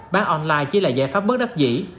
bán online chỉ là giải pháp bất đắc dĩ